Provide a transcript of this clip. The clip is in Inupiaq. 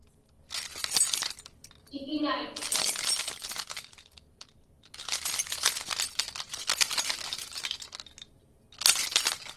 Tikiḷaitchuq.